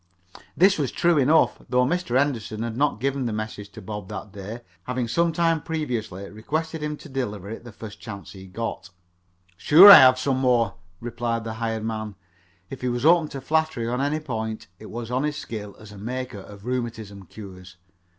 This was true enough, though Mr. Henderson had not given the message to Bob that day, having some time previously requested him to deliver it the first chance he got. "Sure I have some more," replied the hired man. If he was open to flattery on any point, it was on his skill as a maker of rheumatism cures.